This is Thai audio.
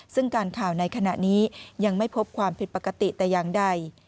ซึ่งการข่าวในขณะนี้ยังไม่พบความผิดปกติแต่อย่างใด